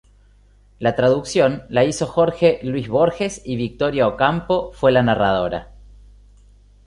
La traducción la hizo Jorge Luis Borges y Victoria Ocampo fue la narradora.